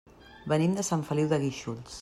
Venim de Sant Feliu de Guíxols.